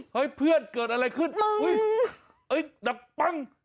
เฮ้ยเพื่อนเกิดอะไรขึ้นอุ๊ยนักปั้ง